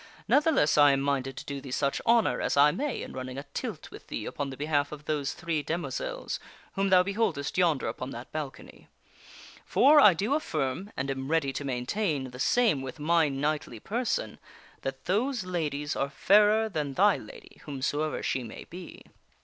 Ne'theless, I am minded to do thee such honor as I may in running a tilt with thee upon the behalf of those three demoiselles whom thou beholdest yonder upon that balcony. For I do affirm, and am ready to maintain the same with my knightly per son, that those ladies are fairer than thy lady, whomsoever she may be."